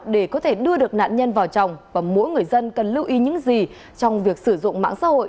để có thể đưa được nạn nhân vào chồng và mỗi người dân cần lưu ý những gì trong việc sử dụng mạng xã hội